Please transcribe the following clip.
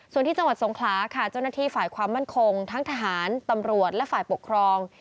ส่วนที่จังหวัดสงขลาค่ะเจ้าหน้าที่ฝ่ายความมั่นคงทั้งทหารตำรวจและฝ่ายปกครอง